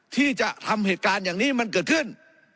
ที่จะทำเหตุการณ์อย่างนี้มันเกิดขึ้น